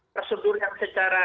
prosedur yang secara